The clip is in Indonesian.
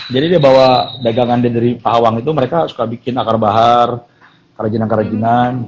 jadi dia bawa dagangan dia dari pahawang itu mereka suka bikin akar bahar kerajinan kerajinan